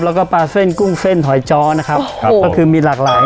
แล้วก็ปลาเส้นกุ้งเส้นหอยจ้อนะครับครับก็คือมีหลากหลาย